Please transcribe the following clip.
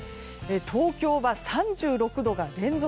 東京は３６度が連続。